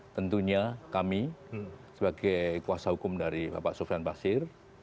tentunya kami sebagai kuasa hukum dari bapak sofian basir